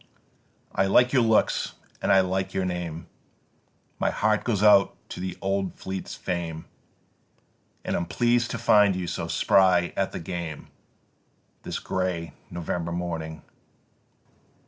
9. "I like your looks and I like your name: My heart goes out to the old fleet's fame, And I'm pleased to find you so spry at the game This grey November morning.